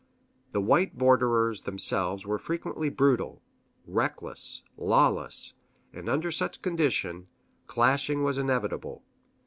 The white borderers themselves were frequently brutal, reckless, lawless; and under such conditions, clashing was inevitable.